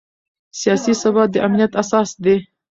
سیاسي ثبات د امنیت اساس دی